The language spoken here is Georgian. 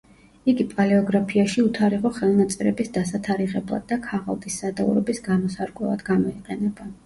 იგი პალეოგრაფიაში უთარიღო ხელნაწერების დასათარიღებლად და ქაღალდის სადაურობის გამოსარკვევად გამოიყენება.